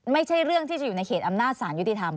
ไม่ใช่เรื่องที่จะอยู่ในเขตอำนาจสารยุติธรรม